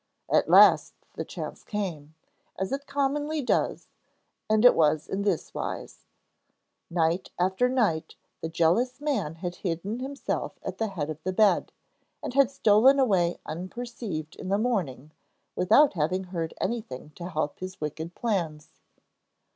At last the chance came, as it commonly does, and it was in this wise: Night after night the jealous man had hidden himself at the head of the bed, and had stolen away unperceived in the morning without having heard anything to help his wicked plans.